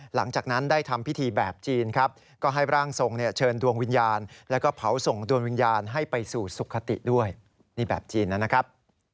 หลังจากนั้นได้ทำพิธีแบบจีนครับก็ให้ร่างทรงเนี่ยเชิญดวงวิญญาณแล้วก็เผาส่งดวงวิญญาณให้ไปสู่สุขติด้วยนี่แบบจีนนะครับ